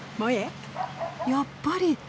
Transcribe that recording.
やっぱり！